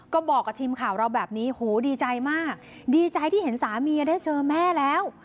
ก็บอกกับทีมข่าวเราแบบนี้โหดีใจมากดีใจที่เห็นสามีได้เจอแม่แล้ว